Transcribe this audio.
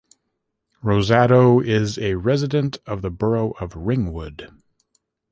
Rosado is a resident of the Borough of Ringwood.